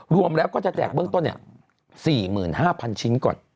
รวมแล้วก็จะแจกเบื้องต้น๔๕๐๐ชิ้นก่อน